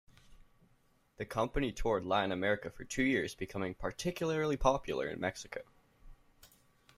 The company toured Latin America for two years, becoming particularly popular in Mexico.